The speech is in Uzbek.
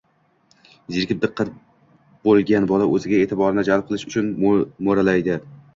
zerikib diqqat bo‘lgan bola o‘ziga e’tiborni jalb qilish uchun mo‘ralaydi.